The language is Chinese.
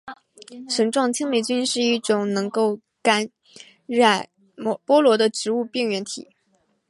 绳状青霉菌是一种能够感染菠萝的植物病原体。